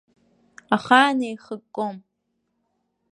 Ахаан еихыкком.